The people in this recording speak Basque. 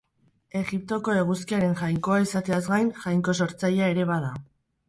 Egiptoko eguzkiaren jainkoa izateaz gain jainko sortzailea ere bada.